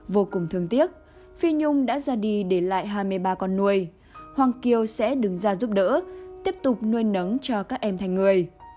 vô cùng thương tiếc phi nhung đã ra đi để lại hai mươi ba con nuôi hoàng kiều sẽ đứng ra giúp đỡ tiếp tục nuôi nấng cho các em thành người